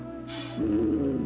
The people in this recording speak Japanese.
うん。